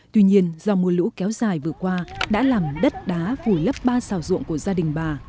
tuy nhiên do mùa lũ kéo dài vừa qua đã làm đất đá vùi lấp ba xào ruộng của gia đình bà